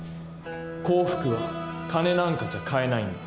幸福は金なんかじゃ買えないんだ。